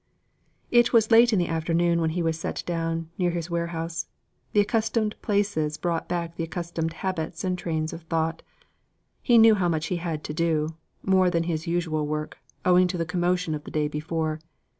It was late in the afternoon when he was set down, near his warehouse. The accustomed places brought back the accustomed habits and trains of thought. He knew how much he had to do more than his usual work, owing to the commotion of the day before.